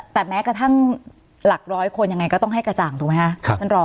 แต่แม้กระทั่งหลัก๑๐๐คนยังไงก็ต้องให้กระจ่างถูกมั้ยคะ